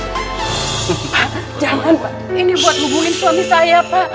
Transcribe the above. jangan pak ini buat hubungin suami saya pak